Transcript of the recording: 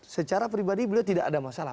secara pribadi beliau tidak ada masalah